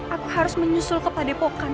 aku harus menyusul kepada epokan